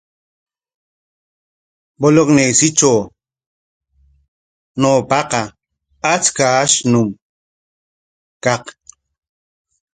Bolegnesitraw ñawpaqa achka ashnum kaq.